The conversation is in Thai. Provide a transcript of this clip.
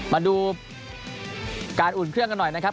มาดูการอุ่นเครื่องกันหน่อยนะครับ